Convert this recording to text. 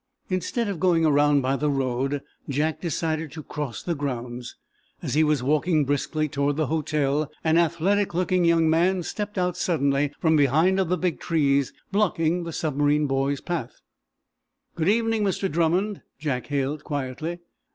Instead of going around by the road Jack decided to cross the grounds. As he was walking briskly toward the hotel, an athletic looking young man stepped out suddenly, from behind of the big trees, blocking the submarine boy's path. "Good evening, Mr. Drummond," Jack hailed, quietly.